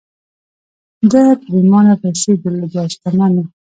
ده پرېمانه پيسې درلودې او شتمن و